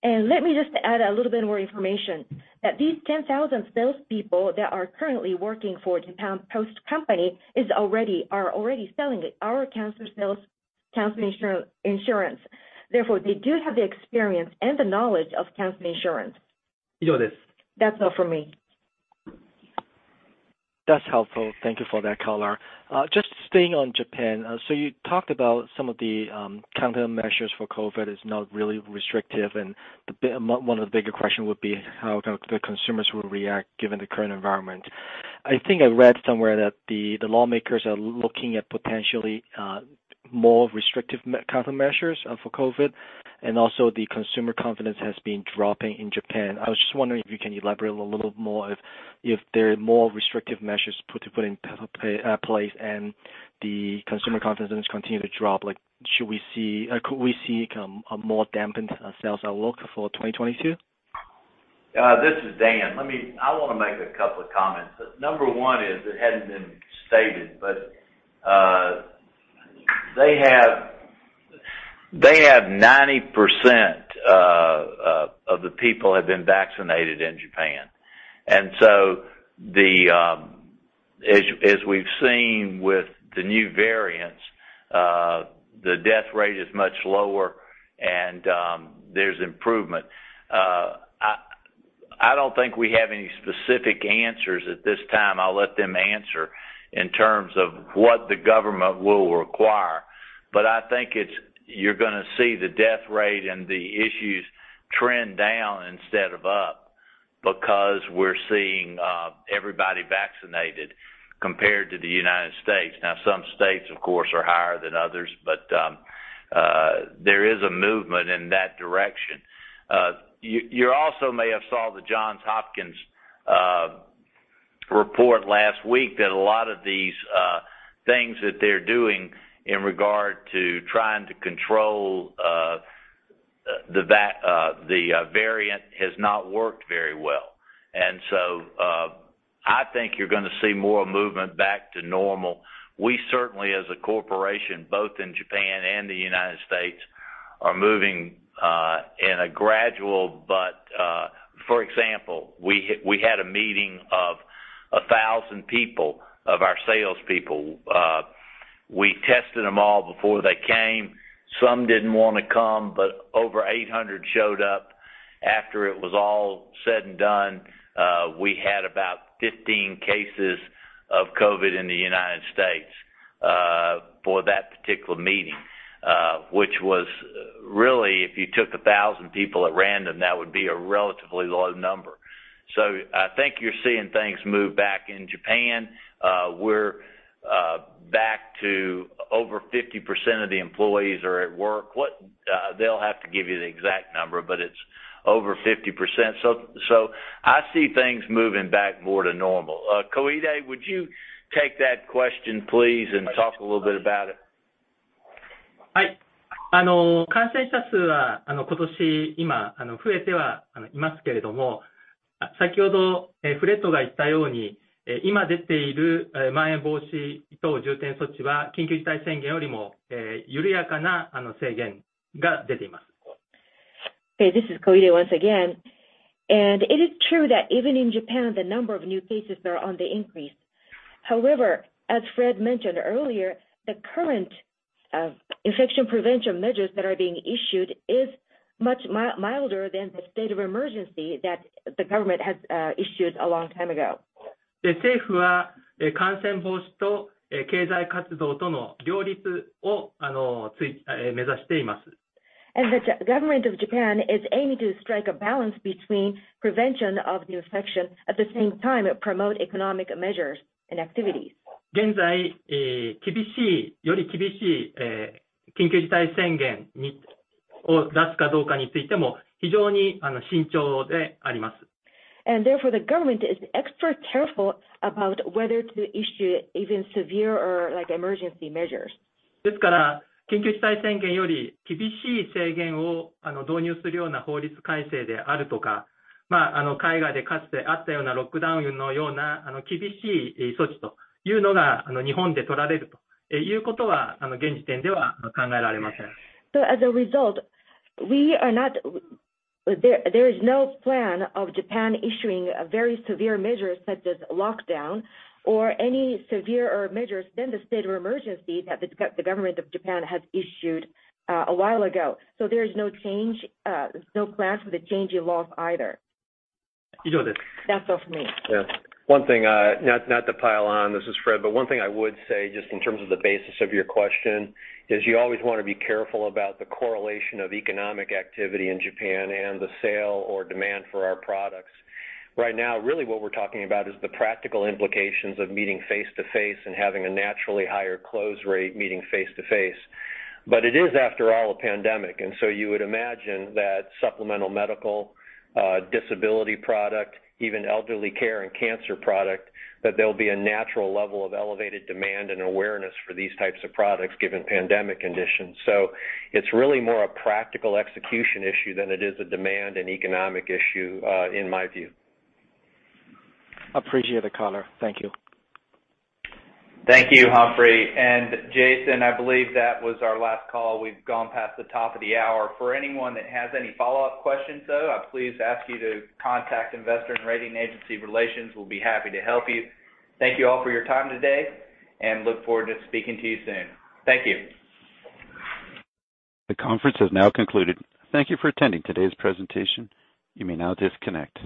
and then perhaps in the second half of this year, there will be some more momentum in sales. Let me just add a little bit more information that these 10,000 salespeople that are currently working for Japan Post Co., Ltd. are already selling our cancer sales, cancer insurance. Therefore, they do have the experience and the knowledge of cancer insurance. That's all for me. That's helpful. Thank you for that color. Just staying on Japan. So you talked about some of the countermeasures for COVID-19 are not really restrictive. One of the bigger question would be how kind of the consumers will react given the current environment. I think I read somewhere that the lawmakers are looking at potentially more restrictive countermeasures for COVID-19, and also the consumer confidence has been dropping in Japan. I was just wondering if you can elaborate a little more if there are more restrictive measures put in place and the consumer confidence continue to drop, like should we see, could we see a more dampened sales outlook for 2022? This is Dan. I wanna make a couple of comments. Number one is it hadn't been stated, but they have 90% of the people have been vaccinated in Japan. As we've seen with the new variants, the death rate is much lower and there's improvement. I don't think we have any specific answers at this time. I'll let them answer in terms of what the government will require. I think it's you're gonna see the death rate and the issues trend down instead of up because we're seeing everybody vaccinated compared to the United States. Now, some states of course are higher than others, but there is a movement in that direction. You also may have saw the Johns Hopkins University report last week that a lot of these things that they're doing in regard to trying to control the variant has not worked very well. I think you're gonna see more movement back to normal. We certainly as a corporation, both in Japan and the United States, are moving in a gradual but, for example, we had a meeting of 1,000 people of our salespeople. We tested them all before they came. Some didn't wanna come, but over 800 showed up. After it was all said and done, we had about 15 cases of COVID in the United States, for that particular meeting, which was really, if you took 1,000 people at random, that would be a relatively low number. I think you're seeing things move back in Japan. We're back to over 50% of the employees are at work. They'll have to give you the exact number, but it's over 50%. I see things moving back more to normal. Koide, would you take that question please and talk a little bit about it? Hi. Okay. This is Koide once again. It is true that even in Japan, the number of new cases are on the increase. However, as Fred mentioned earlier, the current infection prevention measures that are being issued is much milder than the state of emergency that the government has issued a long time ago. The government of Japan is aiming to strike a balance between prevention of new infection, at the same time promote economic measures and activities. The government is extra careful about whether to issue even severe or like emergency measures. There is no plan of Japan issuing a very severe measures such as lockdown or any severe measures than the state of emergency that the government of Japan has issued a while ago. There is no change, no plans for the change in laws either. That's all for me. Yeah. One thing, not to pile on, this is Fred, but one thing I would say just in terms of the basis of your question is you always wanna be careful about the correlation of economic activity in Japan and the sale or demand for our products. Right now, really what we're talking about is the practical implications of meeting face-to-face and having a naturally higher close rate meeting face-to-face. It is, after all, a pandemic, and so you would imagine that supplemental medical, disability product, even elderly care and cancer product, that there'll be a natural level of elevated demand and awareness for these types of products given pandemic conditions. It's really more a practical execution issue than it is a demand and economic issue, in my view. Appreciate the color. Thank you. Thank you, Humphrey. Jason, I believe that was our last call. We've gone past the top of the hour. For anyone that has any follow-up questions, though, please contact Investor and Rating Agency Relations. We'll be happy to help you. Thank you all for your time today, and we look forward to speaking to you soon. Thank you. The conference has now concluded. Thank you for attending today's presentation. You may now disconnect.